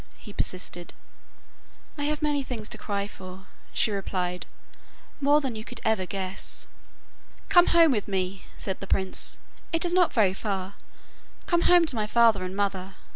he persisted. 'I have many things to cry for,' she replied, 'more than you could ever guess.' 'Come home with me,' said the prince; 'it is not very far. Come home to my father and mother.